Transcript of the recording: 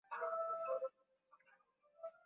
malaria ni ugonjwa hatari kwa mama mjamzito